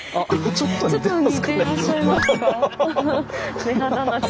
ちょっと似てらっしゃいますか目鼻だち。